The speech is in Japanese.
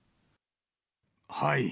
はい。